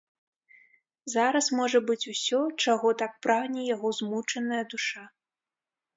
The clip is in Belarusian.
Зараз можа быць усё, чаго так прагне яго змучаная душа.